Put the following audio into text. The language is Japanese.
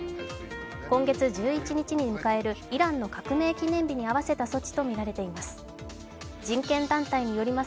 今月１１日に迎えるイランの革命記念日に合わせた措置とみられています。